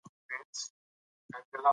د ولور اندازه په روښانه ډول بیان سوې ده.